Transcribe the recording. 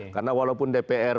karena walaupun dpr